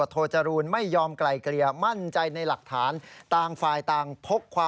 ตอนจริงเขาไม่ได้ไปป๊ะกันแบบนี้